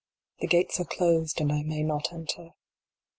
The gates are closed, and I may not enter.